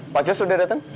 pak jos sudah datang